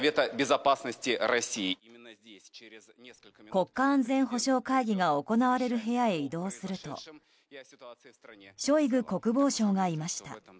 国家安全保障会議が行われる部屋へ移動するとショイグ国防相がいました。